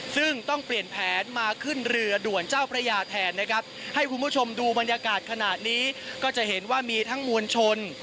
ซึ่งต้องเปลี่ยนแผนมาขึ้นเรือด่วนเจ้าพระยาแทนนะครับให้คุณผู้ชมดูบรรยากาศขณะนี้ก็จะเห็นว่ามีทั้งมวลชน